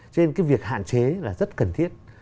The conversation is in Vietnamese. cho nên cái việc hạn chế là rất cần thiết